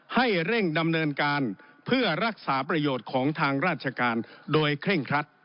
ให้เร่งดำเนินการเพื่อรักษาประโยชน์ของทางราชการโดยเคร่งครัด